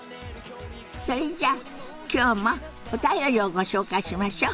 それじゃあ今日もお便りをご紹介しましょ。